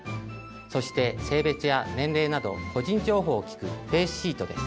そして性別や年齢など個人情報を聞く「フェイスシート」です。